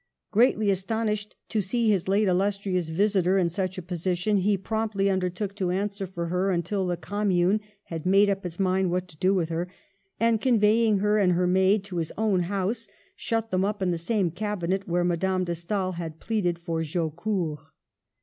Greatly astonished to see his late illustrious vis itor in such a position, he promptly undertook to answer for her until the Commune had made up its mind what to do with her ; and conveying her and her maid to his own house, shut them up in the same cabinet where Madame de Stael had pleaded for Jaucourt.